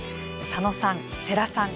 佐野さん世良さん